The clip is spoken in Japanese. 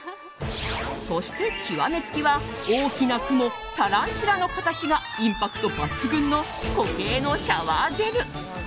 そして、極め付きは大きなクモ、タランチュラの形がインパクト抜群の固形のシャワージェル。